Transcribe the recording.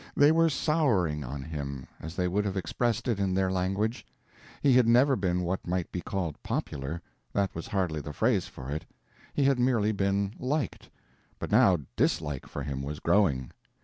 They were souring on him as they would have expressed it in their language. He had never been what might be called popular. That was hardly the phrase for it; he had merely been liked, but now dislike for him was growing.